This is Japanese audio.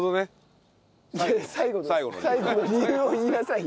いや最後の最後の理由を言いなさいよ。